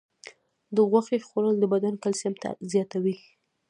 د غوښې خوړل د بدن کلسیم زیاتوي.